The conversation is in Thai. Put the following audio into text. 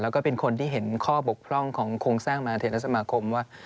แล้วก็เป็นคนที่เห็นข้อบกพร่องของโครงสร้างมหาเทศสมาคมว่า